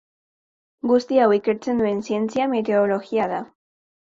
Guzti hau ikertzen duen zientzia meteorologia da.